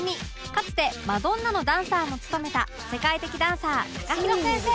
かつてマドンナのダンサーも務めた世界的ダンサー ＴＡＫＡＨＩＲＯ 先生